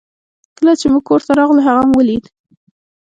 کله چې موږ کور ته راغلو هغه مو ولید